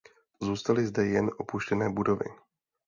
Zůstaly zde jen opuštěné budovy.